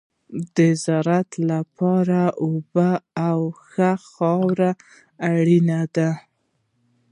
د زراعت لپاره اوبه او ښه خاوره اړینه ده.